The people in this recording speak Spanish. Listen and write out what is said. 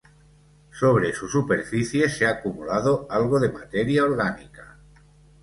Sobre su superficie se ha acumulado algo de materia orgánica.